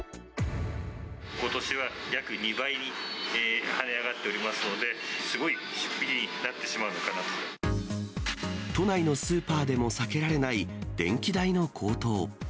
ことしは約２倍に跳ね上がっておりますので、すごい出費にな都内のスーパーでも、避けられない電気代の高騰。